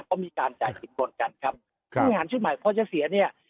ก็มีการจ่ายสินบนกันครับผู้อาหารชุดใหม่พอจะเสียเนี่ย